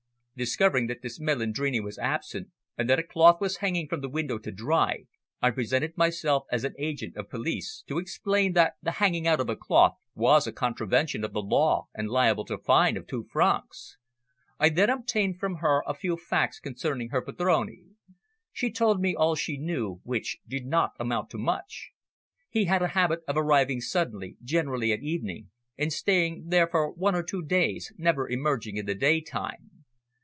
Discovering that this Melandrini was absent and that a cloth was hanging from the window to dry, I presented myself as an agent of police to explain that the hanging out of a cloth was a contravention of the law and liable to a fine of two francs. I then obtained from her a few facts concerning her padrone. She told me all she knew, which did not amount to much. He had a habit of arriving suddenly, generally at evening, and staying there for one or two days, never emerging in the daytime.